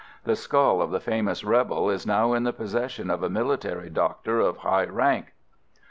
The skull of the famous rebel is now in the possession of a military doctor of high rank.